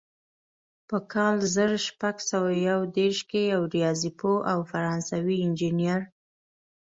په کال زر شپږ سوه یو دېرش کې یو ریاضي پوه او فرانسوي انجینر.